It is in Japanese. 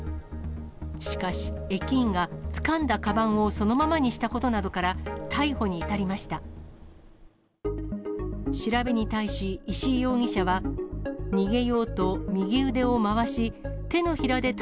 しかし、駅員がつかんだかばんをそのままにしたことなどから、逮捕に至りました。